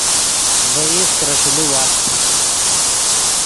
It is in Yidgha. ڤے ایغ ترے ݰیلے واست